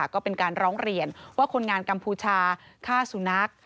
ก็เป็นการร้องเรียนว่าคนงานกัมพูชาฆ่าสุนัข